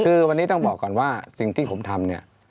คือวันนี้ต้องบอกก่อนว่าสิ่งที่ผมทำเนี่ย